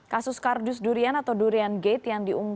kasus kardus durian atau durian